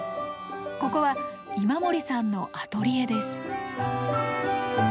ここは今森さんのアトリエです。